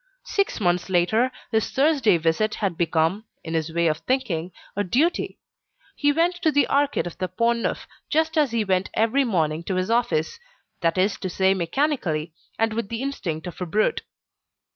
Six months later, his Thursday visit had become, in his way of thinking, a duty: he went to the Arcade of the Pont Neuf, just as he went every morning to his office, that is to say mechanically, and with the instinct of a brute.